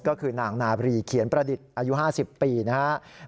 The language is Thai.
ก็คือนางนาบรีเขียนประดิษฐ์อายุ๕๐ปีนะครับ